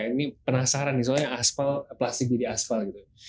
ini penasaran nih soalnya plastik jadi aspal